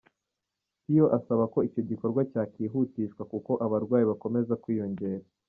Pio asaba ko icyo gikorwa cyakwihutishwa kuko abarwayi bakomeza kwiyongera.